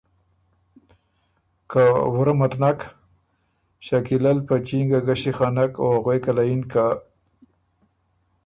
که ”وُره مت نک؟“ شکیله ل په چینګه ګݭی خنک او غوېکه له یِن که